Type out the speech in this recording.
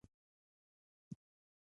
تاریخ د خپل ولس د خپلواکۍ لامل دی.